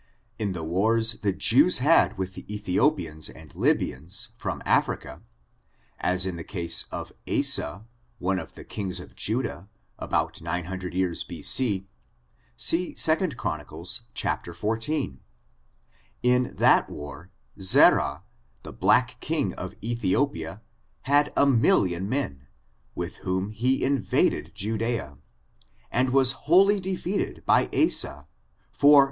In the wars the Jews had with the Ethiopians and Lybians, from Africa, as in the case of Ascl^ one of the kings of Judah, about 900 years B. C. See 2 Chronicles, chap. xiv. In that war, Zerah, the black king of Ethiopia, had a million of men, with whom he in vaded Judea, and was wholly defeated by Asa, for